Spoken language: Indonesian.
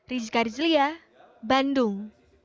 rizka rizlia bandung